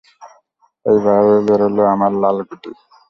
এইবার বেরোলো আমার লাল গুটি।